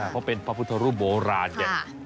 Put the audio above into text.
เพราะเป็นพระพุทธรูปโบราณไง